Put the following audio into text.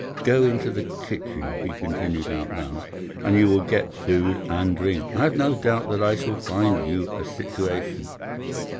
'Go into the kitchen,' he continued out loud, 'and you will get food and drink. I have no doubt that I shall find you a situation.